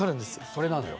それなのよ。